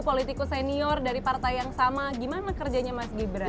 politikus senior dari partai yang sama gimana kerjanya mas gibran